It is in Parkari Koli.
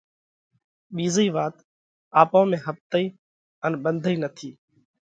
ٻِيزئِي وات آپون ۾ ۿپتئِي ان ٻنڌئِي نٿِي،